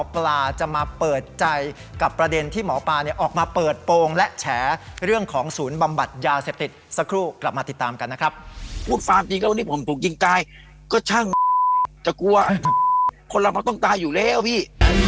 ก็ช่างแต่กลัวคนเรามักต้องตายอยู่แล้วพี่